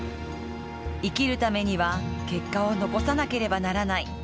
生きるためには結果を残さなければならない。